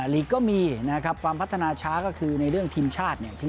ลีกก็มีนะครับความพัฒนาช้าก็คือในเรื่องทีมชาติเนี่ย